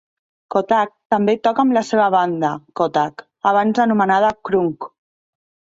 Kottak també toca en la seva banda Kottak, abans anomenada Krunk.